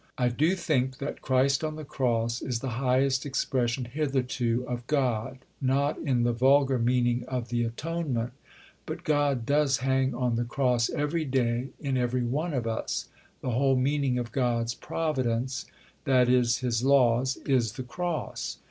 I do think that "Christ on the Cross" is the highest expression hitherto of God not in the vulgar meaning of the Atonement but God does hang on the Cross every day in every one of us; the whole meaning of God's "providence," i.e. His laws, is the Cross.